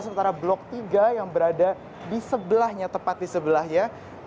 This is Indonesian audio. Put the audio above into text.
sementara blok tiga yang berada di sebelahnya tepat di sebelahnya